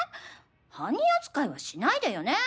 犯人扱いはしないでよね。